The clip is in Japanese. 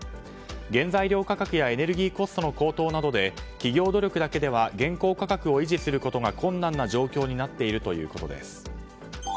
原材料価格やエネルギーコストの高騰などで企業努力だけでは現行価格を維持することが困難な状況になっているということです。